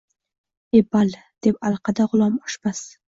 – E, balli! – deb alqadi G‘ulom oshpaz